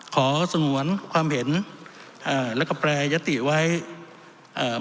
สงวนความเห็นอ่าแล้วก็แปรยติไว้เอ่อ